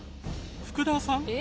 福田さん。